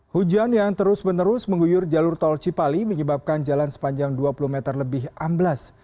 hujan yang terus menerus mengguyur jalur tol cipali menyebabkan jalan sepanjang dua puluh meter lebih amblas